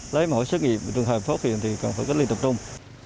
lấy mọi xét nghiệm trường hợp phát hiện thì cần phải cất linh tập trung